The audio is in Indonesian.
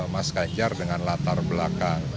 mas ganjar dengan latar belakang